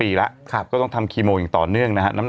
สีวิต้ากับคุณกรนิดหนึ่งดีกว่านะครับแฟนแห่เชียร์หลังเห็นภาพ